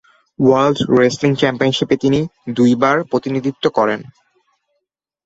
World wrestling চ্যাম্পিয়নশিপে তিনি দু'বার প্রতিনিধিত্ব করেন।